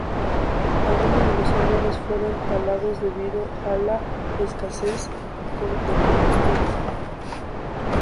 Algunos de los árboles fueron talados debido a la escasez de combustible.